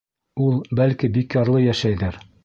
Ул, бәлки, бик ярлы йәшәйҙер.